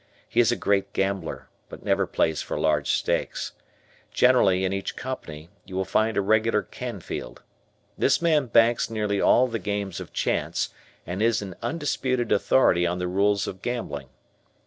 He is a great gambler, but never plays for large stakes. Generally, in each Company, you will find a regular Canfield. This man banks nearly all the games of chance and is an undisputed authority on the rules of gambling.